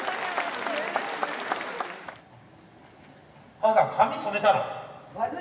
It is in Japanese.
母さん、髪染めたの？